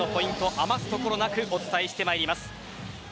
余すところなくお伝えしてまいります。